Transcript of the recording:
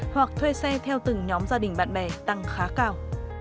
hoặc thuê xe theo từng nhóm gia đình bạn bè tăng khá cao